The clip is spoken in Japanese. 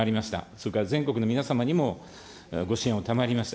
それから全国の皆様にもご支援をたまわりました。